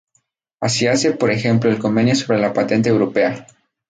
Así hace por ejemplo el Convenio sobre la Patente Europea.